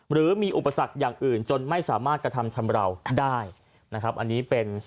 หรือมีอุปสรรคอย่างอื่นจนไม่สามารถกระทำช้ำราว